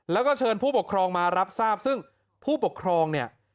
แล้วก็เชิญผู้ปกครองมารับทราบซึ่งผู้ปกครองเนี่ย